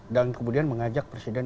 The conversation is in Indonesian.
dan kemudian mengajak presiden